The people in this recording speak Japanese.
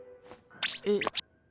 えっ？